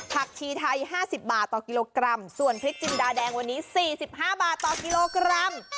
และไข่ไก่เบอร์